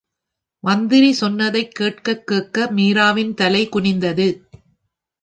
மந்திரி சொன்னதைக் கேட்க கேட்கக் மீராவின் தலை குனிந்தது.